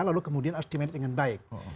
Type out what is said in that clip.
lalu kemudian harus di manage dengan baik